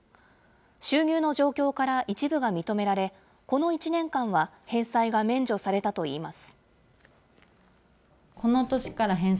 収入の状況から一部が認められ、この１年間は返済が免除されたといいます。